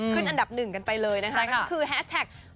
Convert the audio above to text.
ขึ้นอันดับหนึ่งกันไปเลยนะคะคือแฮสแท็กใช่ค่ะ